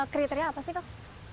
kriteria apa sih kang